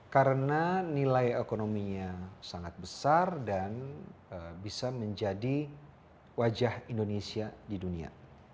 karena nilai ekonominya sangat besar dan bisa menjadi wajah indonesia di dunia